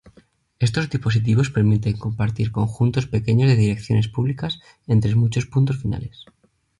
Estos dispositivos permiten compartir conjuntos pequeños de direcciones públicas entre muchos puntos finales.